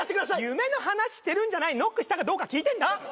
夢の話してるんじゃないノックしたかどうか聞いてんだ！